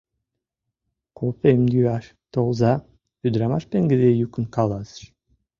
— Кофем йӱаш толза, — ӱдырамаш пеҥгыде йӱкын каласыш.